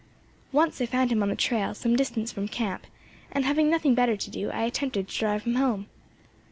Once I found him on the trail, some distance from camp, and, having nothing better to do, I attempted to drive him home.